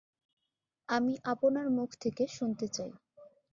আমি আপনার মুখ থেকে শুনতে চাই।